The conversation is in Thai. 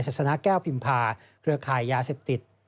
สนาแก้วพิมพาเครือข่ายยาเสพติด